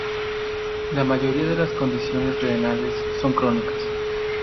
La mayoría de las condiciones renales son crónicas.